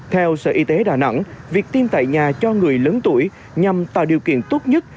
theo sở y tế đà nẵng việc tiêm tại nhà cho người lớn tuổi nhằm tạo điều kiện tốt nhất